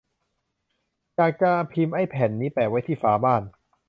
อยากจะพิมพ์ไอ้แผ่นนี้แปะไว้ที่ฝาบ้าน !